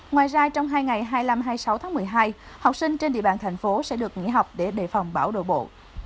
ngoài ra trong hai ngày hai mươi năm hai mươi sáu tháng một mươi hai học sinh trên địa bàn thành phố sẽ được nghỉ học để đề phòng bão đổ bộ